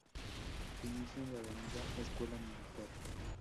Se inicia en la avenida Escuela Militar.